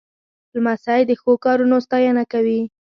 لمسی د ښو کارونو ستاینه کوي.